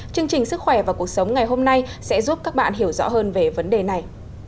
chương trình sức khỏe và cuộc sống ngày hôm nay sẽ giúp các bạn hiểu rõ hơn về vấn đề này